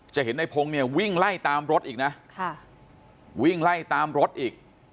จะเห็นในพงศ์เนี่ยวิ่งไล่ตามรถอีกนะค่ะวิ่งไล่ตามรถอีก